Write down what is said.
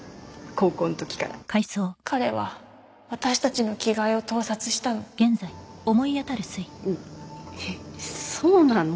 高校のときから彼は私たちの着替えを盗撮えっそうなの？